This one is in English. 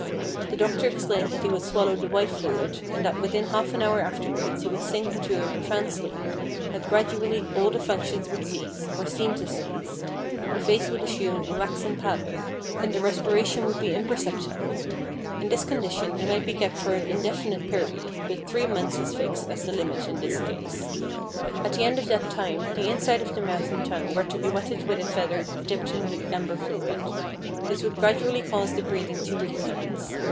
The doctor explained that he would swallow the white fluid, and that within half an hour afterwards he would sink into a profound sleep, that gradually all the functions would cease, or seem to cease, the face would assume a waxen pallor, and the respiration would be imperceptible. In this condition he might be kept for an indefinite period, but three months was fixed as the limit in his case. At the end of that time the inside of the mouth and tongue were to be wetted with a feather dipped in the amber fluid. This would gradually cause the breathing to recommence.